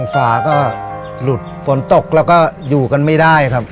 ฝาก็หลุดฝนตกแล้วก็อยู่กันไม่ได้ครับ